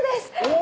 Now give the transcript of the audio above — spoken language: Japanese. お！